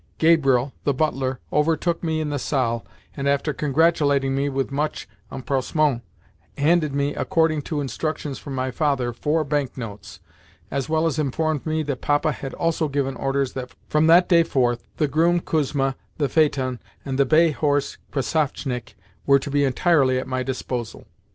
Gabriel, the butler, overtook me in the salle, and, after congratulating me with much empressement, handed me, according to instructions from my father, four bank notes, as well as informed me that Papa had also given orders that, from that day forth, the groom Kuzma, the phaeton, and the bay horse Krassavchik were to be entirely at my disposal.